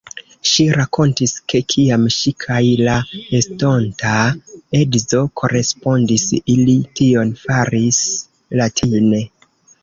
Ŝi rakontis, ke kiam ŝi kaj la estonta edzo korespondis, ili tion faris latine.